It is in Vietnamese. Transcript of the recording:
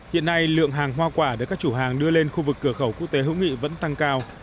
hiện nay lượng hàng hoa quả được các chủ hàng đưa lên khu vực cửa khẩu quốc tế hữu nghị vẫn tăng cao